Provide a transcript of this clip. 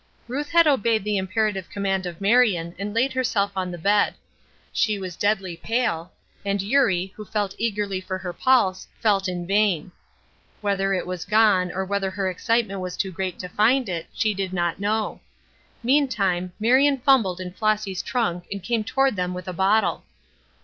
Ruth had obeyed the imperative command of Marion and laid herself on the bed. She was deadly pale, and Eurie, who felt eagerly for her pulse, felt in vain. Whether it was gone, or whether her excitement was too great to find it, she did not know. Meantime, Marion fumbled in Flossy's trunk and came toward them with a bottle.